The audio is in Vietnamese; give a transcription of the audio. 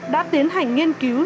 đã tiến hành nghiên cứu